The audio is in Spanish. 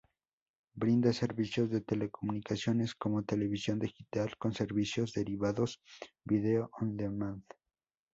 Brinda servicios de telecomunicaciones como Televisión Digital con servicios derivados: Video on Demand.